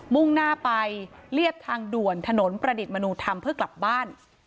มุ่งหน้าไปเรียบทางด่วนถนนประดิษฐ์มนุธรรมเพื่อกลับบ้าน